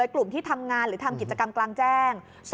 กลุ่มที่ทำงานหรือทำกิจกรรมกลางแจ้ง